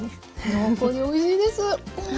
濃厚でおいしいです。